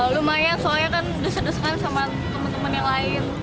lumayan soalnya kan desa desa kan sama teman teman yang lain